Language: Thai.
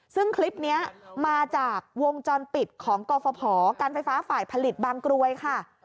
ซึ่งคลิปนี้มาจากวงจรปิดของกฟภการไฟฟ้าฝ่ายผลิตบางกรวยค่ะ